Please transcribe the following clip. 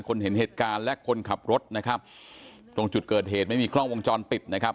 เห็นเหตุการณ์และคนขับรถนะครับตรงจุดเกิดเหตุไม่มีกล้องวงจรปิดนะครับ